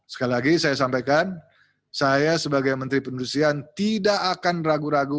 sekali lagi saya sampaikan saya sebagai menteri pendustrian tidak akan ragu ragu